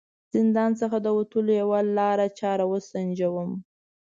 زندان څخه د وتلو یوه لاره چاره و سنجوم.